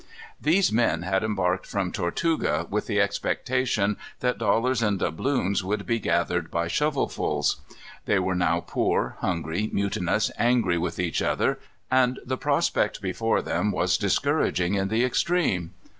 These men had embarked from Tortuga, with the expectation that dollars and doubloons would be gathered by shovelfuls. They were now poor, hungry, mutinous, angry with each other, and the prospect before them was discouraging in the extreme.